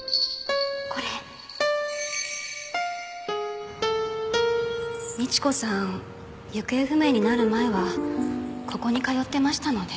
これ美知子さん行方不明になる前はここに通ってましたので。